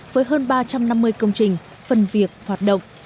với hơn ba trăm năm mươi công trình phần việc hoạt động